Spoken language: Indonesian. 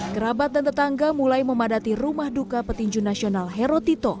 kerabat dan tetangga mulai memadati rumah duka petinju nasional herotito